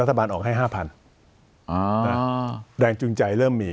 รัฐบาลออกให้๕๐๐แรงจูงใจเริ่มมี